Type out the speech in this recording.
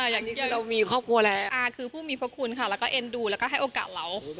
อย่างเดียวเรามีครอบครัวแล้วคือผู้มีพระคุณค่ะแล้วก็เอ็นดูแล้วก็ให้โอกาสเรา